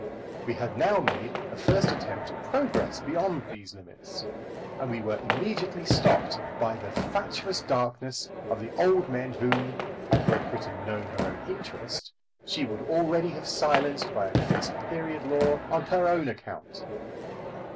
We had now made a first attempt at progress beyond these limits, and we were immediately stopped by the fatuous darkness of the old men whom, had Great Britain known her own interest, she would already have silenced by a Fixed Period law on her own account.